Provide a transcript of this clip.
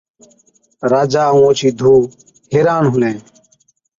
راجا ائُون اوڇِي ڌُو حيران هُلين،